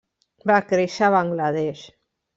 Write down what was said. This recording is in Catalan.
Va créixer a Bangla Desh.